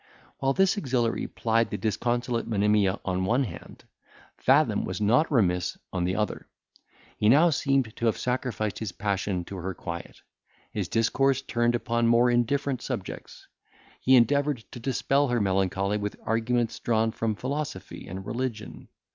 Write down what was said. While this auxiliary plied the disconsolate Monimia on one hand, Fathom was not remiss on the other. He now seemed to have sacrificed his passion to her quiet; his discourse turned upon more indifferent subjects. He endeavoured to dispel her melancholy with arguments drawn from philosophy and religion.